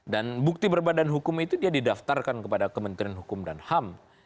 dan bukti berbadan hukum itu dia didaftarkan kepada kementerian hukum dan ham